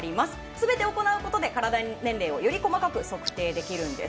全て行うことでカラダ年齢をより細かく測定できるんです。